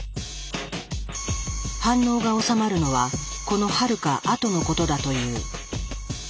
反応がおさまるのはこのはるか後のことだという。